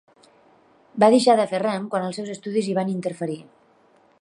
Va deixar de fer rem quan els seus estudis hi van interferir.